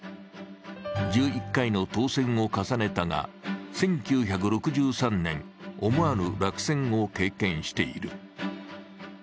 １１回の当選を重ねたが、１９６３年、思わぬ落選を経験している。